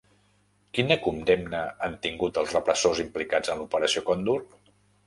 Quina condemna han tingut els repressors implicats en l'Operació Còndor?